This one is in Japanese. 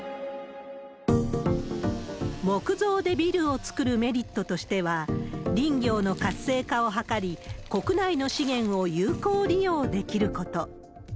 木造でビルを造るメリットとしては、林業の活性化を図り、国内の資源を有効利用できること。